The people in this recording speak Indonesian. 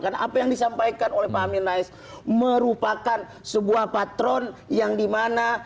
karena apa yang disampaikan oleh pak amin rais merupakan sebuah patron yang dimana